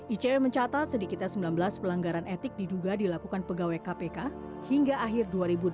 icw mencatat sedikitnya sembilan belas pelanggaran etik diduga dilakukan pegawai kpk hingga akhir dua ribu delapan belas